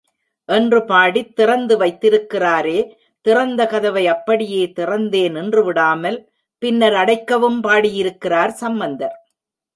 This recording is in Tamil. என்று பாடித் திறந்து வைத்திருக்கிறாரே, திறந்த கதவை அப்படியே திறந்தே நின்று விடாமல் பின்னர் அடைக்கவும் பாடியிருக்கிறார் சம்பந்தர்.